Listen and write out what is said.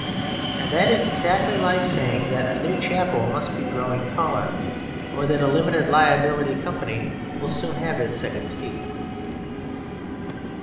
And that is exactly like saying that a new chapel must be growing taller, or that a limited liability company will soon have its second teeth.